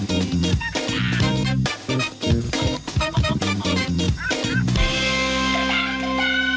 โปรดติดตามตอนต่อไป